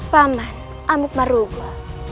paman amu parugu